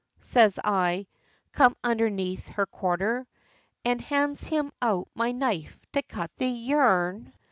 says I, come underneath her quarter! And hands him out my knife to cut the yarn.